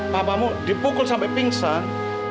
papamu dipukul sampai pingsan